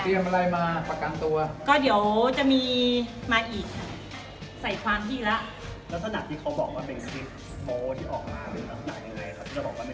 เตรียมอะไรมาประกันตัวก็เดี๋ยวจะมีมาอีกใส่ความที่ละลักษณะที่เขาบอกว่าเป็นคลิปโบที่ออกมาเป็นความที่ยังไงครับ